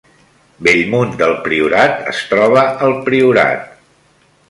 Bellmunt del Priorat es troba al Priorat